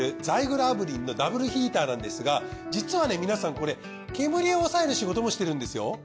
ザイグル炙輪のダブルヒーターなんですが実はね皆さんこれ煙を抑える仕事もしてるんですよ。